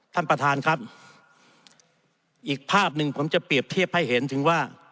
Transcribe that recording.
ท่านประธานครับอีกภาพหนึ่งผมจะเปรียบเทียบให้เห็นถึงว่า